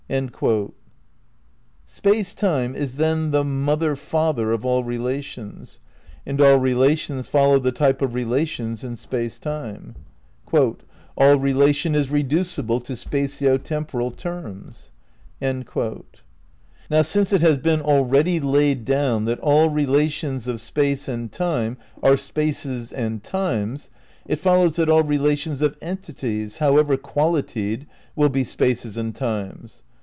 "^ Space Time is then the Mother Father of all rela tions, and all relations follow the type of relations in Space Time. "All relation is reducible to spatio temporal terms." ' Now, since it has been already laid down that all relations of space and time are spaces and times, it follows that all relations of entities, however "qual itied," will be spaces and times.